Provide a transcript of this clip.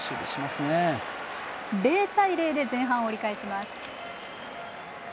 ０対０で前半を折り返します。